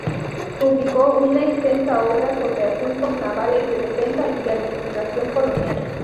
Publicó una extensa obra sobre asuntos navales, de defensa y de administración colonial.